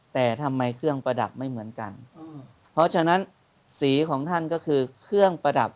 แต่ทำไมเครื่องประดับไม่เหมือนกันเพราะฉะนั้นสีของท่านก็คือเครื่องประดับ